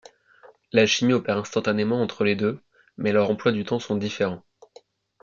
L'alchimie opère instantanément entre les deux, mais leurs emplois du temps sont différents.